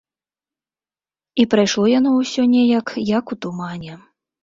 І прайшло яно ўсё неяк, як у тумане.